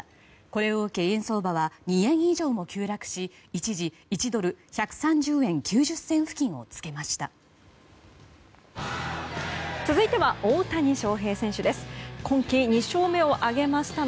これを受け円相場は２円以上も急落し一時１ドル＝１３０円９０銭付近をつけました。